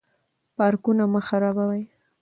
پارکونه مه خرابوئ.